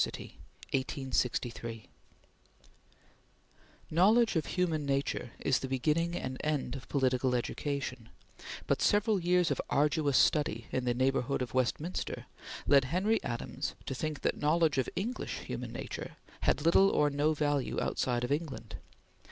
CHAPTER XII ECCENTRICITY (1863) KNOWLEDGE of human nature is the beginning and end of political education, but several years of arduous study in the neighborhood of Westminster led Henry Adams to think that knowledge of English human nature had little or no value outside of England.